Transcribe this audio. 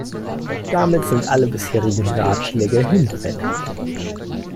Damit sind alle bisherigen Ratschläge hinfällig.